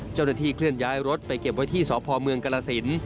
เจ้าหน้าที่เคลื่อนย้ายรถไปเก็บไว้ที่สพกรสินทร์